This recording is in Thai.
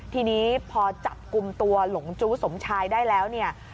ทีนี้พอจับกลุ่มตัวหลงจู้สมชายได้แล้วเนี่ย